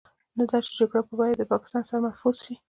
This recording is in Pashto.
نه دا چې د جګړو په بيه د پاکستان سر محفوظ شي.